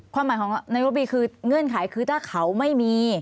ความหมายของนายบวีคือเงื่อนไขคือถ้าเขาไม่มี